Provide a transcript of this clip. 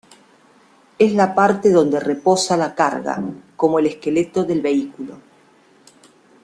Es la parte donde reposa la carga, como el esqueleto del vehículo.